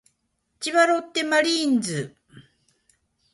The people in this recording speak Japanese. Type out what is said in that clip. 千葉ロッテマリーンズ